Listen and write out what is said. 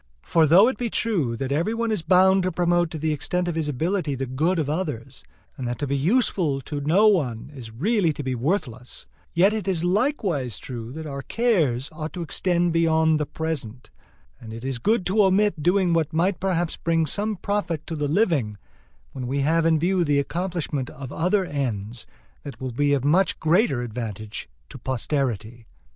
For though it be true that every one is bound to promote to the extent of his ability the good of others, and that to be useful to no one is really to be worthless, yet it is likewise true that our cares ought to extend beyond the present, and it is good to omit doing what might perhaps bring some profit to the living, when we have in view the accomplishment of other ends that will be of much greater advantage to posterity.